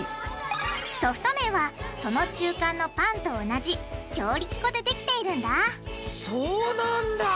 ソフト麺はその中間のパンと同じ強力粉でできているんだそうなんだ！